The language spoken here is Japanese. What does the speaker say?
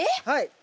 はい。